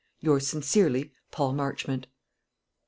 "Yours sincerely, "PAUL MARCHMONT."